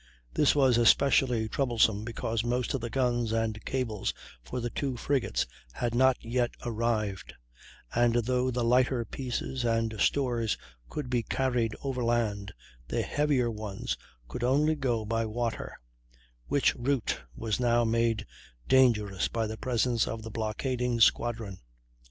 This was especially troublesome because most of the guns and cables for the two frigates had not yet arrived, and though the lighter pieces and stores could be carried over land, the heavier ones could only go by water, which route was now made dangerous by the presence of the blockading squadron.